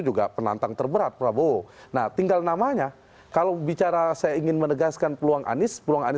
jawabannya kita tunda lagi